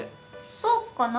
そうかな。